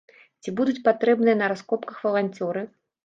Ці будуць патрэбныя на раскопках валанцёры?